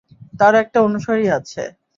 তার একটা অনুসারী আছে।